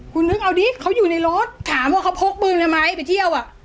คุณนึกเอาดิเขาอยู่ในรถถามว่าเขาพกปืนไปไหมไปเที่ยวอ่ะ